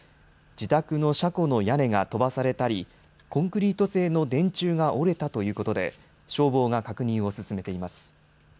自宅の車庫の屋根が飛ばされたり、コンクリート製の電柱が折れたということで消防が確認を進めています。